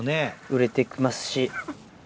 売れて行きますし。